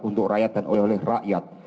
untuk rakyat dan oleh oleh rakyat